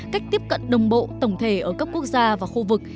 cách tiếp cận đồng bộ tổng thể ở các quốc gia và khu vực